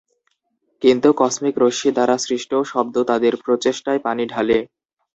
কিন্তু, কসমিক রশ্মি দ্বারা সৃষ্ট শব্দ তাদের প্রচেষ্টায় পানি ঢালে।